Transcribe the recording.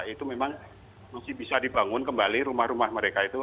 itu memang masih bisa dibangun kembali rumah rumah mereka itu